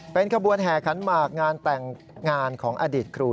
เป็นขบวนแห่ขันหมากงานแต่งงานของอดีตครู